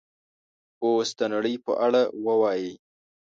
اوس د نړۍ په اړه ووایئ